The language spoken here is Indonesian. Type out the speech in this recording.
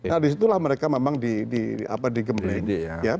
nah disitulah mereka memang digembleng